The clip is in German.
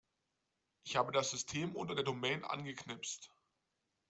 Ich habe das System unter der Domain angeknipst.